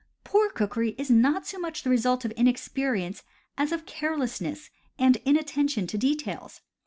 Poor cookery is not so much the result of inexperi ence as of carelessness and inattention to details.